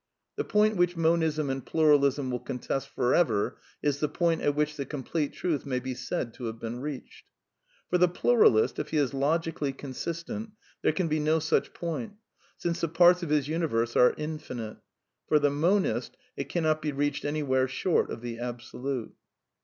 The point which Monism and Pluralism will contest for ever is the point at which the l^* complete truth may be said to have been reached. For the phiraliat r if he ia Iflginglly />/^Tiai'qfpy|f iljf>t.o narx 1^ r^r^ qii/»1i point, since the p arts of his uni verse are infinite. For the JVlonist, it cannot be reached anywhere short of the Absolute.